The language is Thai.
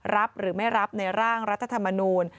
รับหรือไม่รับในร่างรัฐธรรมนูล